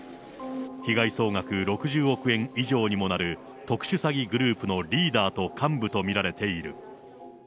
被害総額６０億円以上にもなる特殊詐欺グループのリーダーと幹部と見られている。